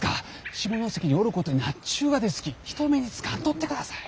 下関におることになっちゅうがですき人目につかんとってください！